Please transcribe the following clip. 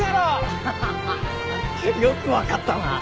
アハハ！よく分かったな。